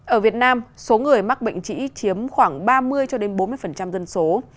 ở việt nam số người mắc bệnh trĩ chiếm khoảng ba mươi bốn mươi dân số